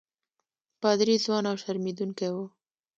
پادري ځوان او شرمېدونکی وو.